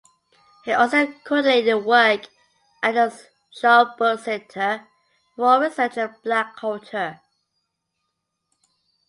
He also coordinated work at the Schomburg Center for Research in Black Culture.